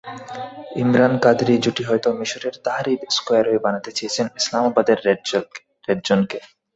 ইমরান-কাদরি জুটি হয়তো মিসরের তাহরির স্কয়ারই বানাতে চেয়েছেন ইসলামাবাদের রেড জোনকে।